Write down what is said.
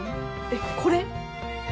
えっこれ？